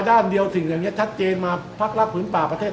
ท่านเดียวสิ่งแบบเนี้ยชัดเจนมาภักรักษ์พุ่นป่าประเทศ